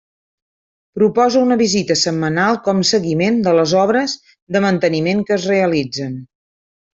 Proposa una visita setmanal com seguiment de les obres de manteniment que es realitzen.